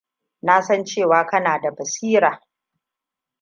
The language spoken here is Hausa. Nasan cewa kana da basira.